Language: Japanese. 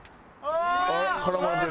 あっ絡まれてる。